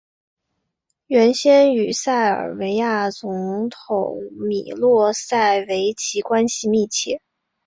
原先与塞尔维亚总统米洛塞维奇关系密切。